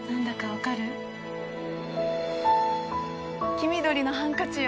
黄緑のハンカチよ。